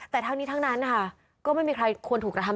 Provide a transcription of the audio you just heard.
แต่ทั้งนี้ทั้งนั้นนะคะก็ไม่มีใครควรถูกกระทำ